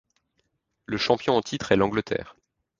Le champion en titre est l'Angleterre.